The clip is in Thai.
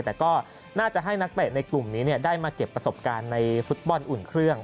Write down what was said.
แต่ก็น่าจะให้นักเตะในกลุ่มนี้ได้มาเก็บประสบการณ์ในฟุตบอลอุ่นเครื่อง